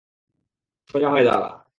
সোজা হয়ে দাঁড়া!